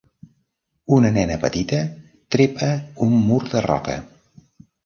Una nena petita trepa un mur de roca.